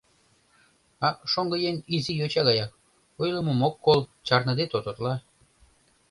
А шоҥгыеҥ изи йоча гаяк: ойлымым ок кол — чарныде тототла.